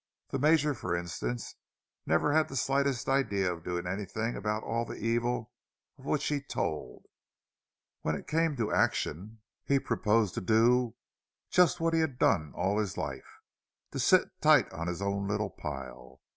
The Major, for instance, never had the slightest idea of doing anything about all the evils of which he told; when it came to action, he proposed to do just what he had done all his life—to sit tight on his own little pile.